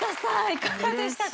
いかがでしたか？